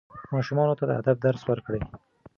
ماشومانو ته د ادب درس ورکړئ.